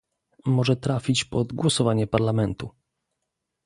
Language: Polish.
Może trafić pod głosowanie Parlamentu